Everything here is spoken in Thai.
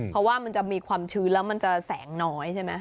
เพราะว่ามันจะมีความชื้นแล้วมันจะแสงน้อยใช่ไหม